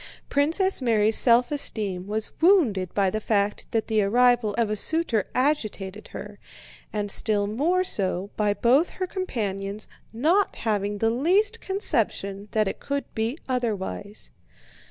Princess Mary's self esteem was wounded by the fact that the arrival of a suitor agitated her, and still more so by both her companions' not having the least conception that it could be otherwise.